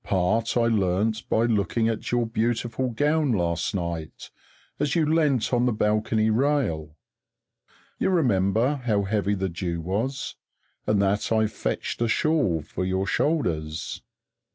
Part I learnt by looking at your beautiful gown last night, as you leant on the balcony rail. You remember how heavy the dew was, and that I fetched a shawl for your shoulders.